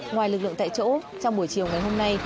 ngoài lực lượng tại chỗ trong buổi chiều ngày hôm nay